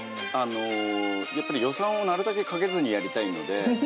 やっぱり予算をなるたけかけずにやりたいので。